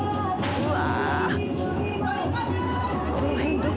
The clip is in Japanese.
うわ！